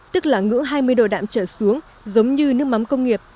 tức là ngưỡng hai mươi độ đạm trở xuống giống như nước mắm công nghiệp